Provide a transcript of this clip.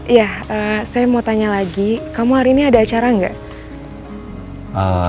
iya saya mau tanya lagi kamu hari ini ada acara nggak